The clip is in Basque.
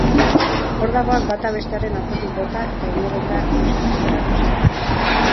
Ordagoak bata bestearen atzetik bota, eta inor ez da eustera ausartzen.